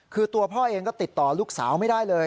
คือตัวพ่อเองก็ติดต่อลูกสาวไม่ได้เลย